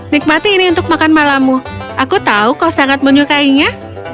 nikmati ini untuk makan malammu aku tahu kau sangat menyukainya